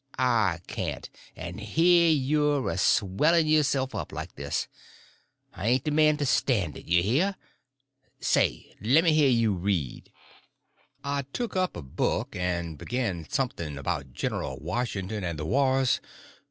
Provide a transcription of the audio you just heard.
I can't; and here you're a swelling yourself up like this. I ain't the man to stand it—you hear? Say, lemme hear you read." I took up a book and begun something about General Washington and the wars.